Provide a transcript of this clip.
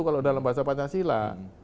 kalau dalam bahasa pancasila